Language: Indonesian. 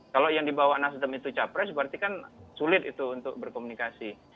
kalau yang dibawa nasdem itu capres berarti kan sulit itu untuk berkomunikasi